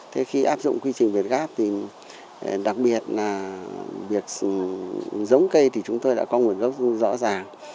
thế khi áp dụng quy trình việt gáp thì đặc biệt là việc giống cây thì chúng tôi đã có nguồn gốc rõ ràng